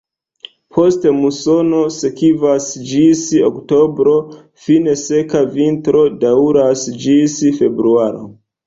Poste musono sekvas ĝis oktobro, fine seka vintro daŭras ĝis februaro.